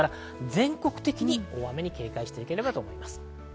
全国的に大雨に警戒していただければと思います。